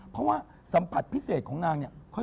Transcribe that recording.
เพราะว่าสัมผัสพิเศษของนางเนี่ย